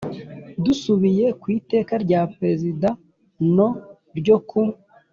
Dusubiye ku Iteka rya Perezida no ryo ku